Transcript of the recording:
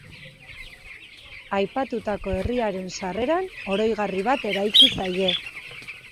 Aipatutako herriaren sarreran oroigarri bat eraiki zaie.